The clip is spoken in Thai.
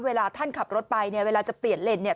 เวลาท่านขับรถไปเนี่ยเวลาจะเปลี่ยนเลนเนี่ย